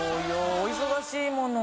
お忙しいもの。